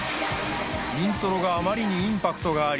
イントロがあまりにインパクトがあり